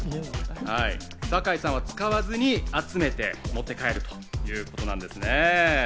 酒井さんは使わずに、集めて持って帰るということなんですね。